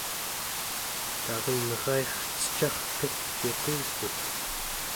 tarenraircecarturciqukut